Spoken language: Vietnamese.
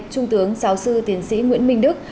trung tướng giáo sư tiến sĩ nguyễn minh đức